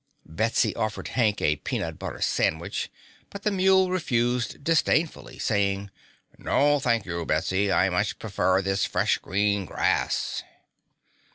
Betsy offered Hank a peanut butter sandwich, but the Mule refused disdainfully, saying, "No, thank you, Betsy, I much prefer this fresh green grass."